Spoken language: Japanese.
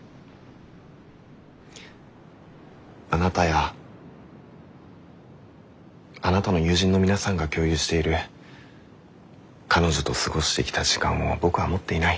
あなたやあなたの友人の皆さんが共有している彼女と過ごしてきた時間を僕は持っていない。